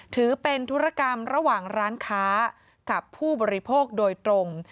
ถือเป็นธุรกรรมระหว่างร้านค้ากับผู้บริโภคโดยตรง